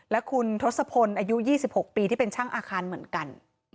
และคุณทศพลอายุ๒๖ปีที่เป็นช่างอาคารเหมือนกัน